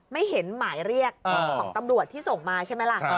ไม่เห็นหมายเรียกของตำรวจที่ส่งมาใช่ไหมล่ะ